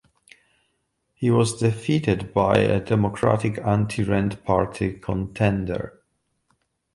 He was defeated by a Democratic Anti-Rent Party contender.